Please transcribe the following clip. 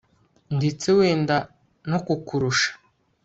ndetse wenda no kukurusha